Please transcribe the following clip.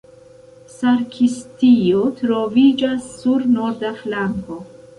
Sakristio troviĝas sur norda flanko.